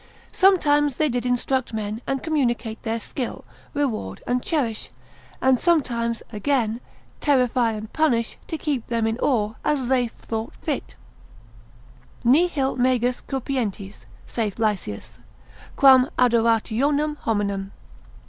Sometimes they did instruct men, and communicate their skill, reward and cherish, and sometimes, again, terrify and punish, to keep them in awe, as they thought fit, Nihil magis cupientes (saith Lysius, Phis. Stoicorum) quam adorationem hominum.